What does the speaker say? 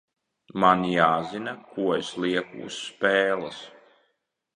Man jāzina, ko es lieku uz spēles.